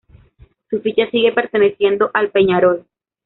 Su ficha sigue perteneciendo al Peñarol.